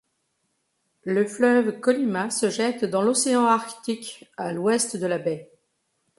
Le fleuve Kolyma se jette dans l'océan Arctique à l'ouest de la baie.